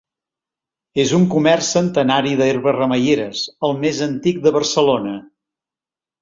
És un comerç centenari d'herbes remeieres, el més antic de Barcelona.